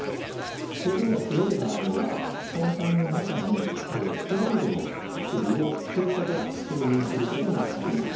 症状が強い場合には手根管の中にステロイドの薬を注射で注入することもあります。